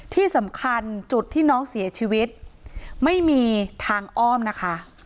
ที่สำคัญจุดที่น้องเสียชีวิตไม่มีทางอ้อมนะคะ